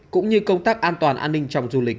cũng như công tác an toàn an ninh trong du lịch